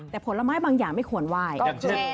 แต่ผลไม้บางอย่างไม่ควรไหว้โอเค